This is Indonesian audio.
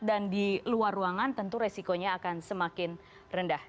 dan di luar ruangan tentu resikonya akan semakin rendah